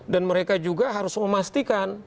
dan mereka juga harus memastikan